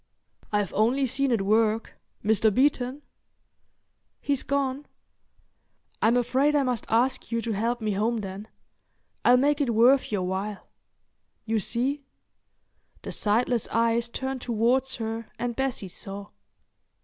"I've only seen it work. Mr. Beeton." "He's gone. "I'm afraid I must ask you to help me home, then. I'll make it worth your while. You see." The sightless eyes turned towards her and Bessie saw.